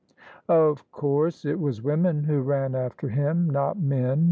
Of course it was women who ran after him, not men.